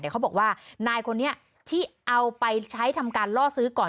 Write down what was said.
เขาบอกว่านายคนนี้ที่เอาไปใช้ทำการล่อซื้อก่อน